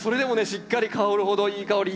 しっかり香るほどいい香り。